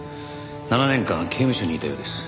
７年間刑務所にいたようです。